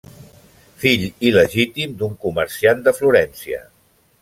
Fill il·legítim d'un comerciant de Florència.